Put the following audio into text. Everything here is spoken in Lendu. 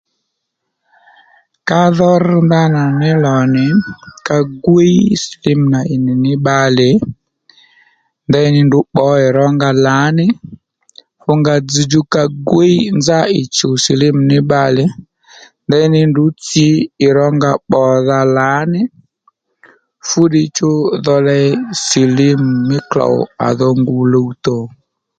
Ka dho rr ndanà ndanà ní lò nì ka gwíy simínari ní bbalè ndeyní ndrǔ pbǒ ì rónga lǎní fú nga dzzdjú ka gwíy nzá ì chùw silímù nì bbalè ndeyní ndrǔ tsǐ ì rónga pbòdha lǎní fúddiy chú dho ley silímù mí klǒw à dho ngu luwtò